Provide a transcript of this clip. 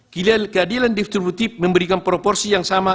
keadilan distributif memberikan proporsi yang sama